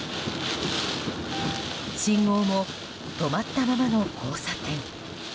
信号も止まったままの交差点。